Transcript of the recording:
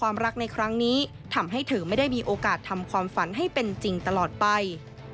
ไม่ได้มีโอกาสทำความฝันให้เป็นจริงตลอดไป